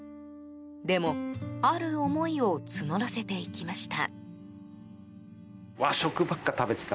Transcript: でも、ある思いを募らせていきました。